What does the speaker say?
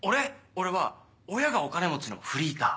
俺は親がお金持ちのフリーター。